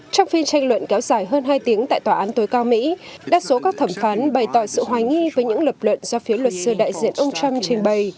trong phiên tranh luận kéo dài hơn hai tiếng tại tòa án tối cao mỹ đa số các thẩm phán bày tỏ sự hoài nghi với những lập luận do phía luật sư đại diện ông trump trình bày